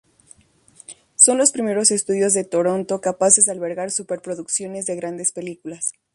Son los primeros estudios de Toronto capaces de albergar superproducciones de grandes películas.